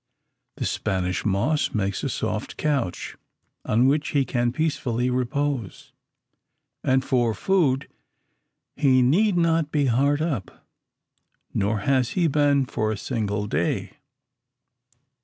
The Spanish moss makes a soft couch, on which he can peacefully repose. And for food he need not be hard up, nor has he been for a single day.